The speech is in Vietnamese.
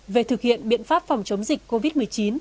về thực hiện biện pháp phòng chống dịch covid một mươi chín